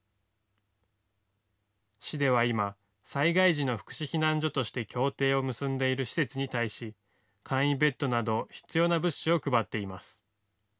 市では今、災害時の福祉避難所として協定を結んでいる施設に対し簡易ベッドなど必要な物資を配っています。